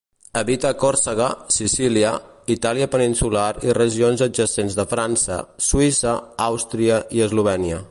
Habita Còrsega, Sicília, Itàlia peninsular i regions adjacents de França, Suïssa, Àustria i Eslovènia.